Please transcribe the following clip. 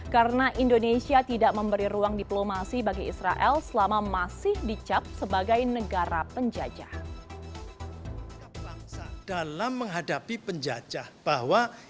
karena indonesia tidak memberi ruang diplomasi bagi israel selama masih dicap sebagai negara penjajah